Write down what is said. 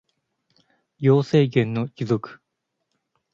行政権の帰属